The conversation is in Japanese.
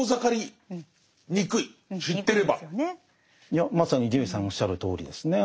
いやまさに伊集院さんのおっしゃるとおりですね。